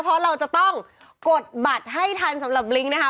เพราะเราจะต้องกดบัตรให้ทันสำหรับลิงก์นะคะ